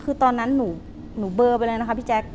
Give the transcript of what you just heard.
คือตอนนั้นหนูเบอร์ไปแล้วนะคะพี่แจ๊ค